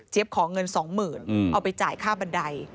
เจ๊บขอเงินสองหมื่นเอาไปจ่ายค่าบันได